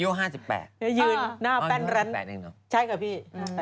อยู่หน้าแป้นรั้นใช่เหรอพี่